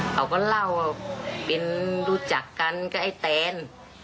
เขาก็เล่าว่าเป็นรู้จักกันก็ไอ้แตน